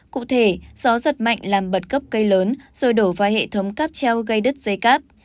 cụ thể gió giật mạnh làm bật cấp cây lớn rồi đổ vào hệ thống cắp treo gây đứt dây cắp